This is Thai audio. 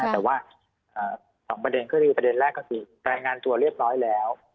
เหตุผลว่าสองประเด็นคือประเด็นแรกของงานตัวเรียบร้อยแล้ว